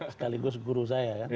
sekaligus guru saya